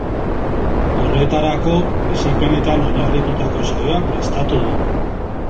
Horretarako, bizipenetan oinarritutako saioa prestatu du.